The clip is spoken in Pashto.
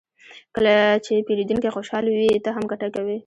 کله چې پیرودونکی خوشحال وي، ته هم ګټه کوې.